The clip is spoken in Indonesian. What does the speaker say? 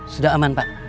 sudah aman pak